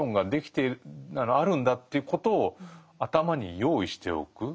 あるんだ」ということを頭に用意しておく。